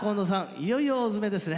いよいよ大詰めですね。